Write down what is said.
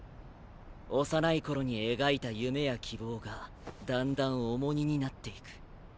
幼い頃に描いた夢や希望が段々重荷になっていく。